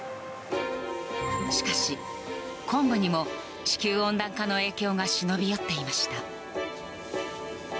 しかし、昆布にも地球温暖化の影響が忍び寄っていました。